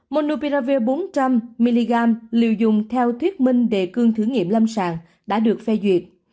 monupiravi bốn trăm linh mg liều dùng theo thuyết minh đề cương thử nghiệm lâm sàng đã được phê duyệt